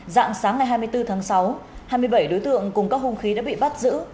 dạng sáng ngày hai mươi bốn tháng sáu hai mươi bảy đối tượng cùng các hung khí đã bị bắt giữ